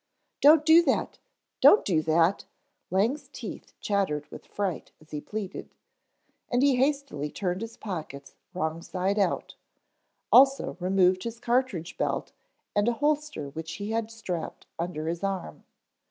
"Don't do that don't do that " Lang's teeth chattered with fright as he pleaded, and he hastily turned his pockets wrong side out, also removed his cartridge belt and a holster which he had strapped under his arm.